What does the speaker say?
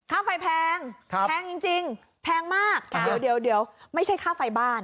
ค่าไฟแพงแพงจริงแพงมากเดี๋ยวไม่ใช่ค่าไฟบ้าน